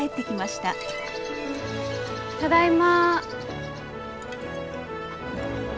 ただいま。